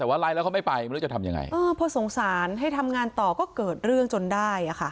แต่ว่าไล่แล้วเขาไม่ไปไม่รู้จะทำยังไงอ่าพอสงสารให้ทำงานต่อก็เกิดเรื่องจนได้อ่ะค่ะ